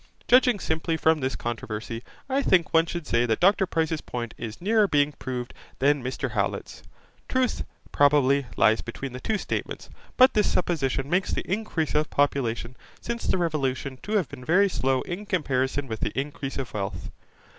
Judging simply from this controversy, I think one should say that Dr Price's point is nearer being proved than Mr Howlett's. Truth, probably, lies between the two statements, but this supposition makes the increase of population since the Revolution to have been very slow in comparison with the increase of wealth.